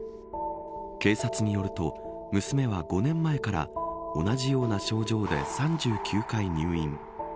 警察によると娘は５年前から同じような症状で３９回入院。